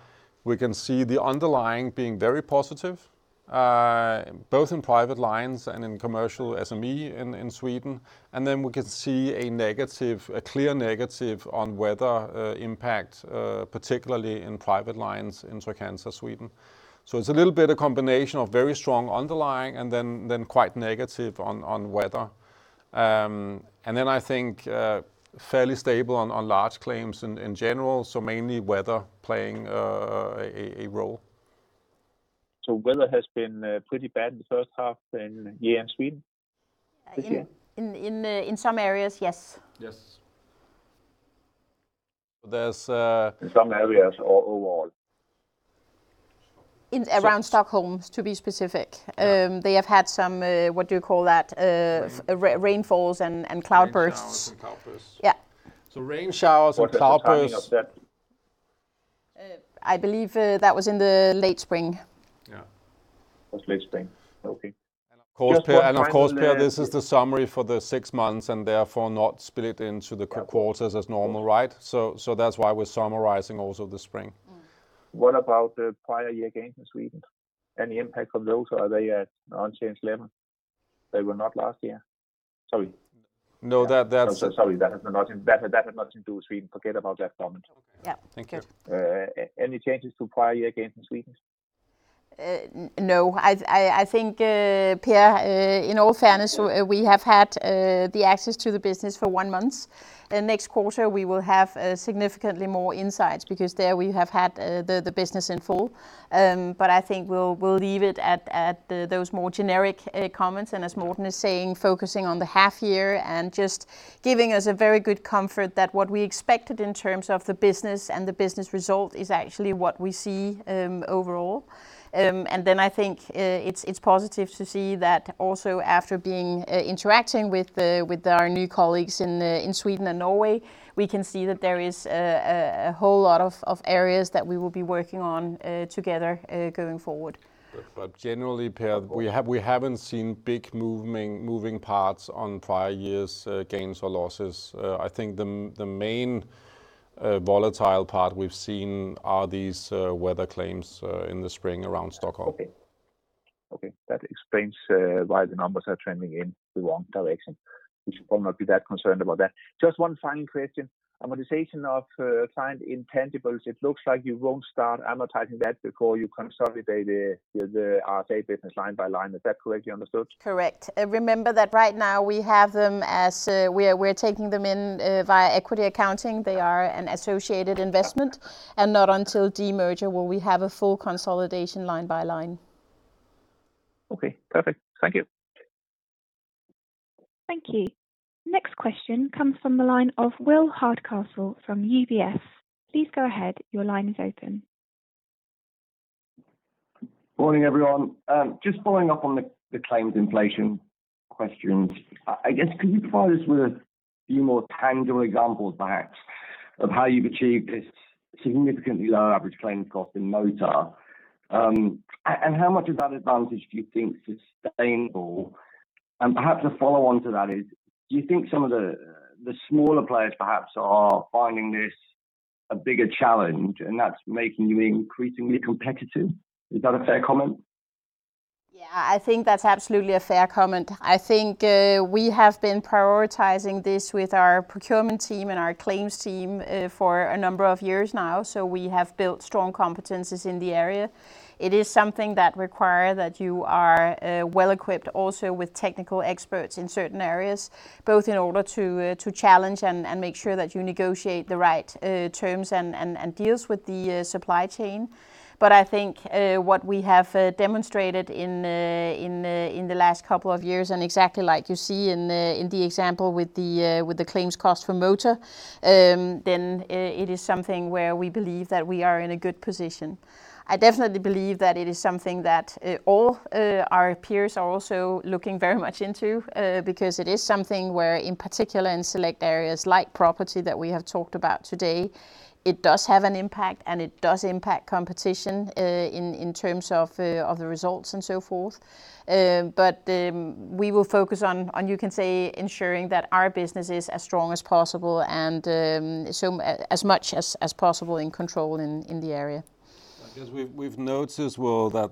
B: we can see the underlying being very positive both in private lines and in commercial SME in Sweden. We can see a clear negative on weather impact, particularly in private lines in Tryg Insurance Sweden. It's a little bit of combination of very strong underlying and then quite negative on weather. I think fairly stable on large claims in general. Mainly weather playing a role.
G: Weather has been pretty bad in the first half then, yeah, in Sweden this year?
C: In some areas, yes.
B: Yes. There's.
G: In some areas or overall?
C: In around Stockholm, to be specific.
G: Yeah.
C: They have had some rainfalls and cloudbursts.
A: Rain showers and cloudbursts.
C: Yeah.
B: Rain showers and cloudbursts.
G: What's the timing of that?
C: I believe that was in the late spring.
A: Yeah.
G: Last late spring. Okay.
B: Of course, Per, this is the summary for the six months and therefore not split into the quarters as normal, right? That's why we're summarizing also the spring.
G: What about the prior year gains in Sweden? Any impact from those? Are they at non-change level? They were not last year. Sorry.
B: No.
G: Sorry, that had nothing to do with Sweden. Forget about that comment.
B: Yeah. Thank you.
G: Any changes to prior year gains in Sweden?
C: No. I think, Per Grønborg, in all fairness, we have had the access to the business for one month. The next quarter we will have significantly more insights because there we have had the business in full. I think we'll leave it at those more generic comments. As Morten is saying, focusing on the half year and just giving us a very good comfort that what we expected in terms of the business and the business result is actually what we see overall. I think it's positive to see that also after interacting with our new colleagues in Sweden and Norway, we can see that there is a whole lot of areas that we will be working on together going forward.
B: Generally, Per, we haven't seen big moving parts on prior years gains or losses. I think the main volatile part we've seen are these weather claims in the spring around Stockholm.
G: Okay. That explains why the numbers are trending in the wrong direction. We should probably not be that concerned about that. Just one final question. Amortization of intangibles. It looks like you won't start amortizing that before you consolidate the Tryg data line by line. Is that correctly understood?
C: Correct. Remember that right now we have them as we are taking them in via equity accounting. They are an associated investment and not until de-merger where we have a full consolidation line by line.
G: Okay, perfect. Thank you.
D: Thank you. Next question comes from the line of Will Hardcastle from UBS. Please go ahead.
H: Morning, everyone. Just following up on the claims inflation questions. I guess could you provide us with a few more tangible examples perhaps of how you've achieved this significantly lower average claims cost in motor, and how much of that advantage do you think is sustainable? Perhaps a follow-on to that is, do you think some of the smaller players perhaps are finding this a bigger challenge, and that's making you increasingly competitive? Is that a fair comment?
C: Yeah, I think that's absolutely a fair comment. I think we have been prioritizing this with our procurement team and our claims team for a number of years now. We have built strong competencies in the area. It is something that requires that you are well-equipped also with technical experts in certain areas, both in order to challenge and make sure that you negotiate the right terms and deals with the supply chain. I think what we have demonstrated in the last couple of years, and exactly like you see in the example with the claims cost for motor, then it is something where we believe that we are in a good position. I definitely believe that it is something that all our peers are also looking very much into because it is something where in particular in select areas like property that we have talked about today, it does have an impact and it does impact competition in terms of the results and so forth. We will focus on, you can say, ensuring that our business is as strong as possible and as much as possible in control in the area.
B: I guess we've noticed, Will, that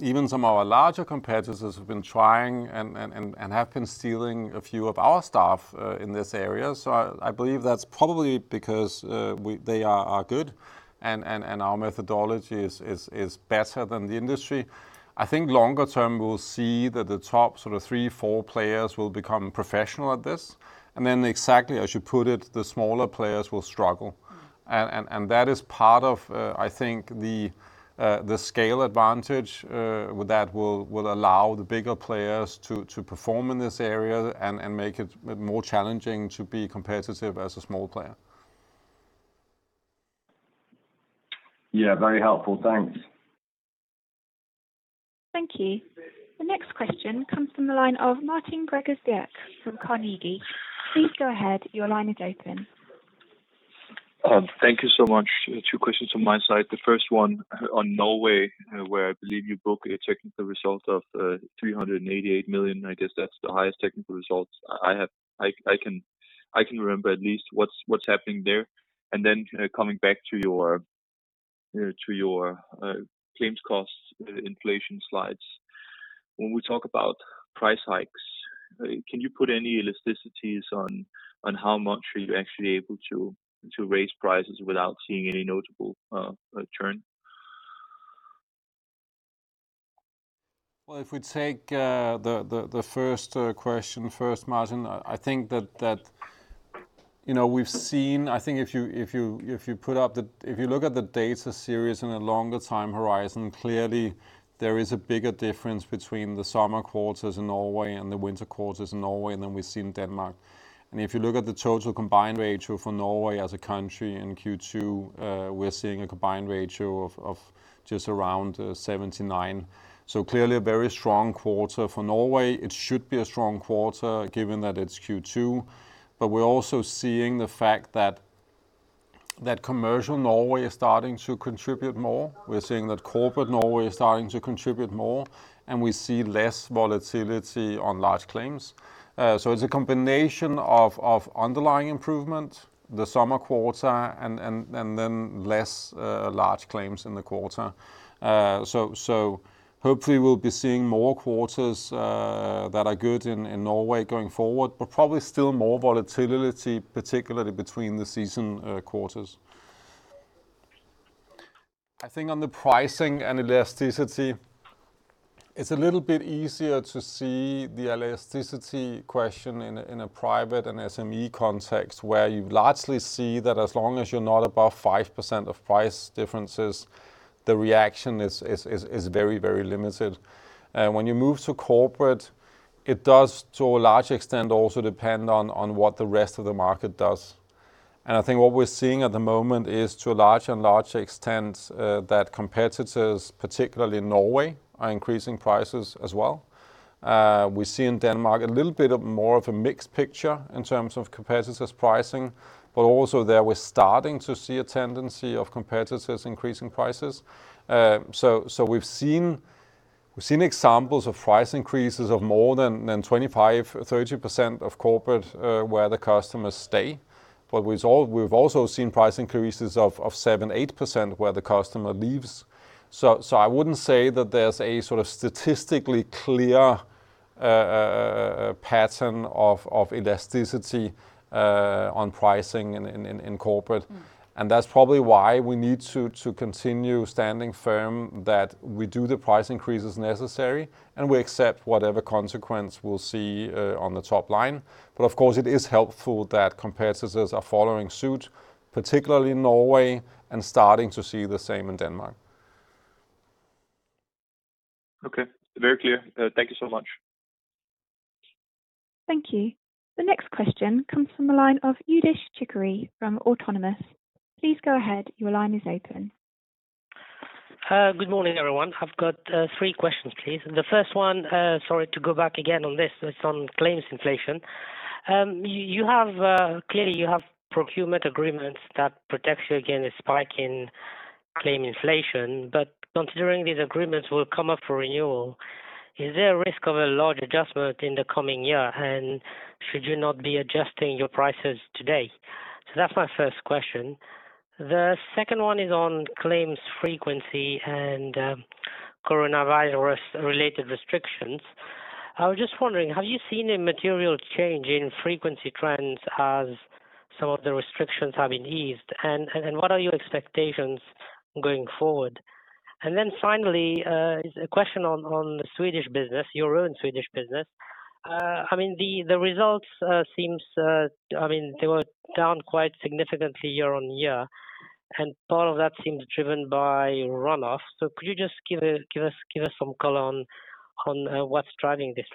B: even some of our larger competitors have been trying and have been stealing a few of our staff in this area. I believe that's probably because they are good and our methodology is better than the industry. I think longer term, we'll see that the top sort of three, four players will become professional at this. Then exactly as you put it, the smaller players will struggle. That is part of, I think, the scale advantage that will allow the bigger players to perform in this area and make it more challenging to be competitive as a small player.
H: Yeah. Very helpful. Thanks.
D: Thank you. The next question comes from the line of Martin Gregers Birk from Carnegie. Please go ahead. Your line is open.
I: Thank you so much. Two questions on my side. The first one on Norway, where I believe you book a technical result of 388 million. I guess that's the highest technical result I can remember at least. Then coming back to your claims cost inflation slides. When we talk about price hikes, can you put any elasticities on how much are you actually able to raise prices without seeing any notable churn?
B: Well, if we take the first question first, Martin, I think if you look at the data series in a longer time horizon, clearly there is a bigger difference between the summer quarters in Norway and the winter quarters in Norway than we see in Denmark. If you look at the total combined ratio for Norway as a country in Q2, we're seeing a combined ratio of just around 79%. Clearly a very strong quarter for Norway. It should be a strong quarter given that it's Q2. We're also seeing the fact that commercial Norway is starting to contribute more. We're seeing that corporate Norway is starting to contribute more, and we see less volatility on large claims. It's a combination of underlying improvement, the summer quarter, and then less large claims in the quarter. Hopefully we'll be seeing more quarters that are good in Norway going forward, but probably still more volatility, particularly between the season quarters. I think on the pricing and elasticity, it's a little bit easier to see the elasticity question in a private and SME context where you largely see that as long as you're not above 5% of price differences, the reaction is very limited. When you move to corporate, it does to a large extent also depend on what the rest of the market does. I think what we're seeing at the moment is to a larger and larger extent that competitors, particularly in Norway, are increasing prices as well. We see in Denmark a little bit more of a mixed picture in terms of competitors' pricing, but also there we're starting to see a tendency of competitors increasing prices. We've seen examples of price increases of more than 25% or 30% of corporate where the customers stay, but we've also seen price increases of 7% or 8% where the customer leaves. That's probably why we need to continue standing firm that we do the price increases necessary and we accept whatever consequence we'll see on the top line. Of course, it is helpful that competitors are following suit, particularly in Norway, and starting to see the same in Denmark.
I: Okay. Very clear. Thank you so much.
D: Thank you. The next question comes from the line of Youdish Chicooree from Autonomous. Please go ahead. Your line is open.
J: Good morning, everyone. I've got three questions, please. The first one, sorry to go back again on this, is on claims inflation. Clearly you have procurement agreements that protect you against a spike in claim inflation, considering these agreements will come up for renewal, is there a risk of a large adjustment in the coming year? Should you not be adjusting your prices today? That's my first question. The second one is on claims frequency and coronavirus related restrictions. I was just wondering, have you seen a material change in frequency trends as some of the restrictions have been eased? What are your expectations going forward? Finally, a question on the Swedish business, your own Swedish business. The results were down quite significantly year-over-year, part of that seems driven by run-off. Could you just give us some color on what's driving this,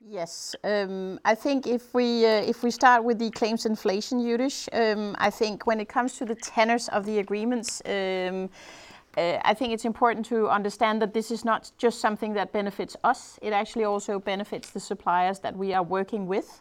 J: please?
C: I think if we start with the claims inflation, Youdish, I think when it comes to the tenets of the agreements, I think it's important to understand that this is not just something that benefits us. It actually also benefits the suppliers that we are working with.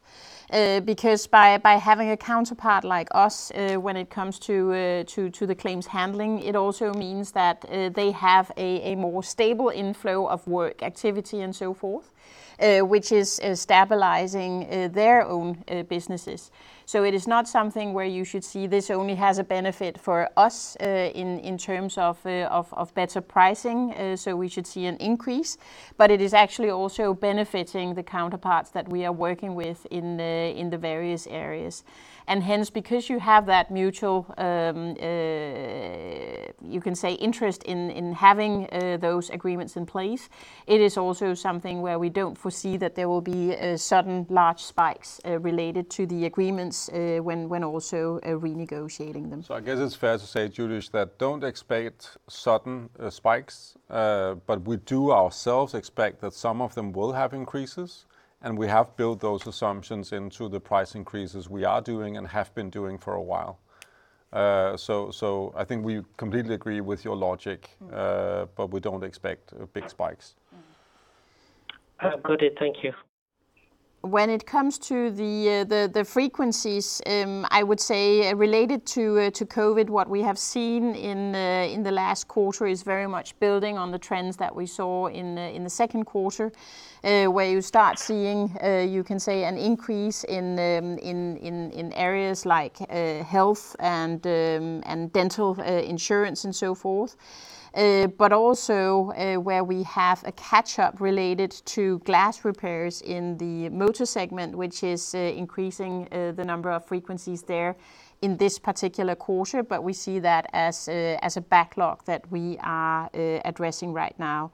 C: By having a counterpart like us when it comes to the claims handling, it also means that they have a more stable inflow of work activity and so forth, which is stabilizing their own businesses. It is not something where you should see this only has a benefit for us, in terms of better pricing, so we should see an increase, but it is actually also benefiting the counterparts that we are working with in the various areas. Hence, because you have that mutual, you can say, interest in having those agreements in place, it is also something where we don't foresee that there will be sudden large spikes related to the agreements when also renegotiating them.
B: I guess it's fair to say, Youdish, that don't expect sudden spikes. We do ourselves expect that some of them will have increases, and we have built those assumptions into the price increases we are doing and have been doing for a while. I think we completely agree with your logic, but we don't expect big spikes.
J: Got it. Thank you.
C: When it comes to the frequencies, I would say related to COVID-19, what we have seen in the last quarter is very much building on the trends that we saw in the second quarter, where you start seeing, you can say an increase in areas like health and dental insurance and so forth. Also where we have a catch-up related to glass repairs in the motor segment, which is increasing the number of frequencies there in this particular quarter. We see that as a backlog that we are addressing right now.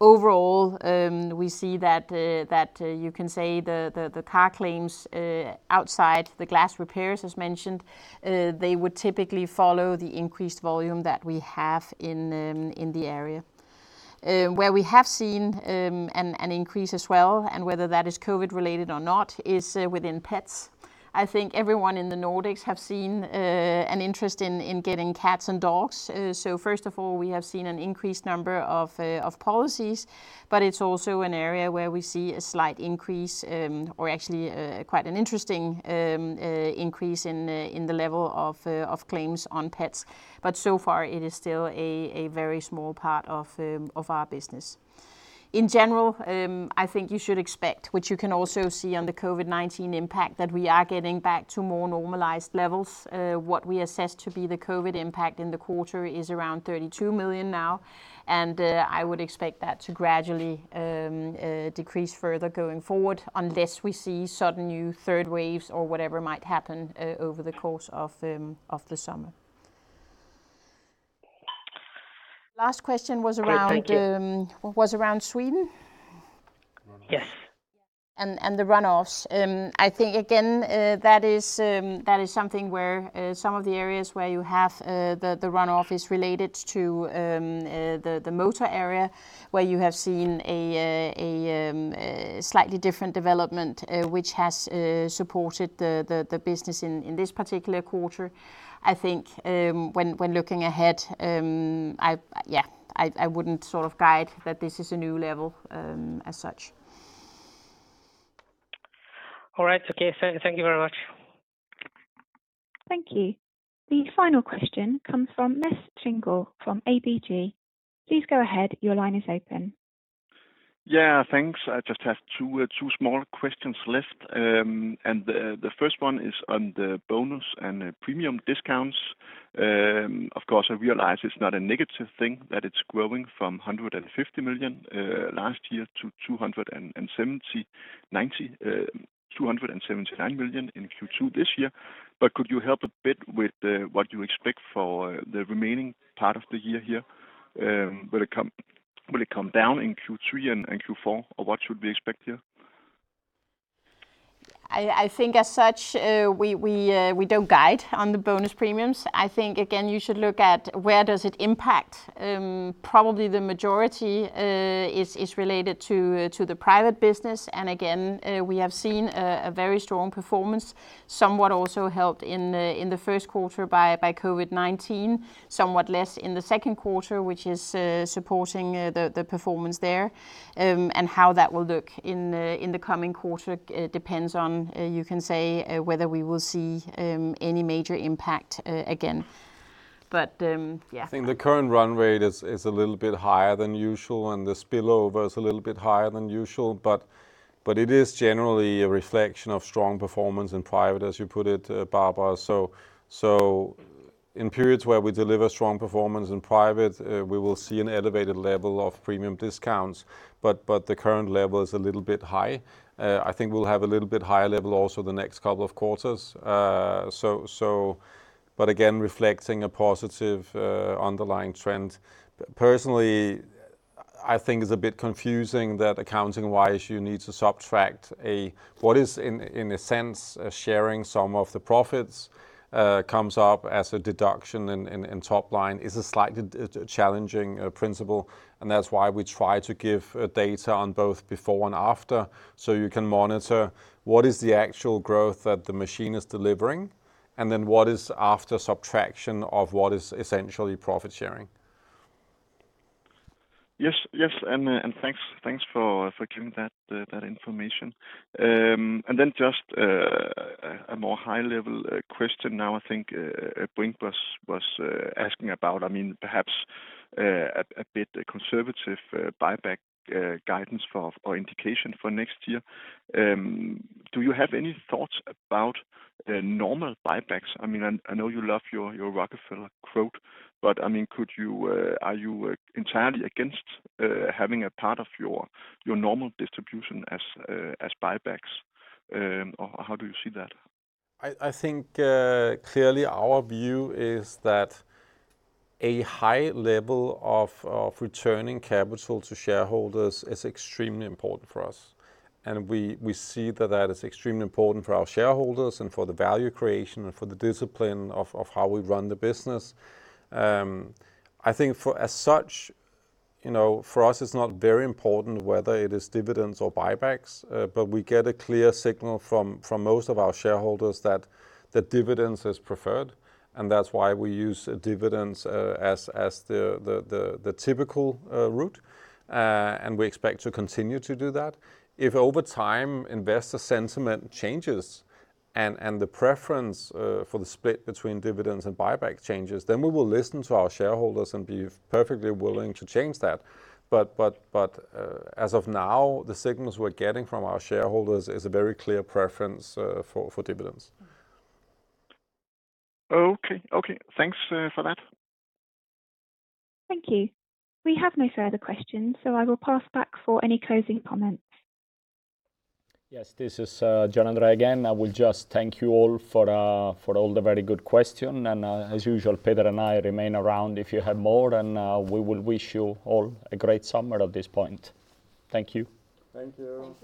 C: Overall, we see that the car claims outside the glass repairs as mentioned, they would typically follow the increased volume that we have in the area. Where we have seen an increase as well, and whether that is COVID-19 related or not, is within pets. I think everyone in the Nordics have seen an interest in getting cats and dogs. First of all, we have seen an increased number of policies, but it's also an area where we see a slight increase, or actually quite an interesting increase in the level of claims on pets. So far it is still a very small part of our business. In general, I think you should expect, which you can also see on the COVID-19 impact, that we are getting back to more normalized levels. What we assess to be the COVID impact in the quarter is around 32 million now, and I would expect that to gradually decrease further going forward, unless we see sudden new third waves or whatever might happen over the course of the summer. Last question was around.
J: Thank you.
C: Was around Sweden?
J: Yes.
C: The runoffs. I think again, that is something where some of the areas where you have the run-off is related to the motor area where you have seen a slightly different development, which has supported the business in this particular quarter. I think when looking ahead, I wouldn't guide that this is a new level as such.
J: All right. Okay. Thank you very much.
D: Thank you. The final question comes from Mads Thinggaard from ABG. Please go ahead. Your line is open.
K: Yeah, thanks. I just have two small questions left. The first one is on the bonus and the premium discounts. Of course, I realize it's not a negative thing that it's growing from 150 million last year to 279 million in Q2 this year. Could you help a bit with what you expect for the remaining part of the year here? Will it come down in Q3 and Q4, or what should we expect here?
C: I think as such, we don't guide on the bonus premiums. I think, again, you should look at where does it impact? Probably the majority is related to the private business. Again, we have seen a very strong performance, somewhat also helped in the first quarter by COVID-19, somewhat less in the second quarter, which is supporting the performance there. How that will look in the coming quarter depends on, you can say, whether we will see any major impact again. Yeah.
B: I think the current run rate is a little bit higher than usual, and the spillover is a little bit higher than usual, but it is generally a reflection of strong performance in private, as you put it, Barbara. In periods where we deliver strong performance in private, we will see an elevated level of premium discounts. The current level is a little bit high. I think we'll have a little bit high level also the next couple of quarters. Again, reflecting a positive underlying trend. Personally, I think it's a bit confusing that accounting-wise you need to subtract what is in a sense sharing some of the profits comes up as a deduction in top line is a slightly challenging principle, and that's why we try to give data on both before and after, so you can monitor what is the actual growth that the machine is delivering, and then what is after subtraction of what is essentially profit-sharing.
K: Yes. Thanks for giving that information. Just a more high-level question now I think Brink was asking about, perhaps a bit conservative buyback guidance for indication for next year. Do you have any thoughts about normal buybacks? I know you love your Rockefeller quote, but are you entirely against having a part of your normal distribution as buybacks? How do you see that?
B: I think clearly our view is that a high level of returning capital to shareholders is extremely important for us, and we see that is extremely important for our shareholders and for the value creation and for the discipline of how we run the business. I think as such, for us it's not very important whether it is dividends or buybacks, but we get a clear signal from most of our shareholders that dividends is preferred, and that's why we use dividends as the typical route, and we expect to continue to do that. If, over time, investor sentiment changes and the preference for the split between dividends and buyback changes, then we will listen to our shareholders and be perfectly willing to change that. But as of now, the signals we're getting from our shareholders is a very clear preference for dividends.
K: Okay. Thanks for that.
D: Thank you. We have no further questions. I will pass back for any closing comments.
A: Yes, this is Gianandrea again. I will just thank you all for all the very good questions. As usual, Peter and I remain around if you have more, and we will wish you all a great summer at this point. Thank you.
B: Thank you.